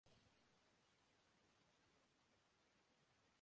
ہزاروں میل دور سے۔